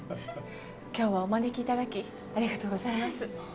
今日はお招きいただきありがとうございます。